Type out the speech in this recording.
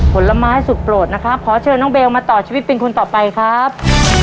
ผลไม้สุดโปรดนะครับขอเชิญน้องเบลมาต่อชีวิตเป็นคนต่อไปครับ